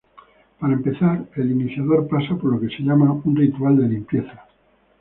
Para empezar, el iniciador pasa por lo que se llama un ritual de limpieza.